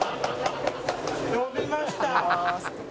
伸びました！